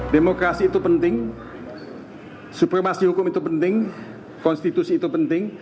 demokrasi itu penting supremasi hukum itu penting konstitusi itu penting